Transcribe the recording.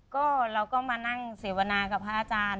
ก็เราก็มานั่งเสวนากับพระอาจารย์